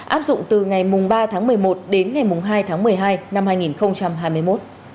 áp dụng từ ngày ba tháng một mươi một đến ngày hai tháng một mươi hai năm hai nghìn hai mươi một